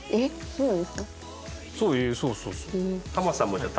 そうそうそうそう。